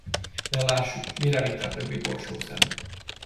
De lássuk, mire vitte a többi borsószem!